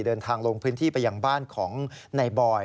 เดินทางลงพื้นที่ไปยังบ้านของนายบอย